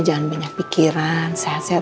jangan banyak pikiran sehat sehat